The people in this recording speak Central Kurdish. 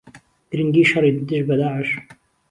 گرنگی شەڕی دژ بە داعش